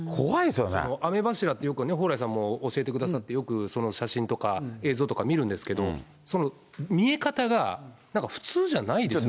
雨柱って、よくね、蓬莱さんも教えてくださって、よくその写真とか、映像とか見るんですけれども、その見え方が、なんか普通じゃないですね。